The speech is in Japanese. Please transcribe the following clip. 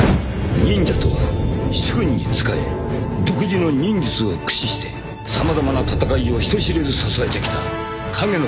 ［忍者とは主君に仕え独自の忍術を駆使して様々な戦いを人知れず支えてきた影の軍団である］